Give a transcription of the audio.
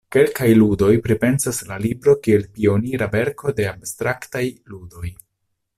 Kelkaj ludoj pripensas la libron kiel pionira verko de abstraktaj ludoj.